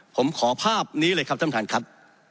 ผมขอภาพนี้เลยครับท่านประธานครับ